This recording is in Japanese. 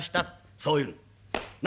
そう言うん」。